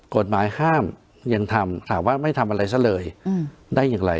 กฎหมายห้ามยังทำถามว่าไม่ทำอะไรซะเลยได้อย่างไร